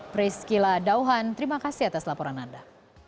chris gila dauhan terima kasih atas laporan anda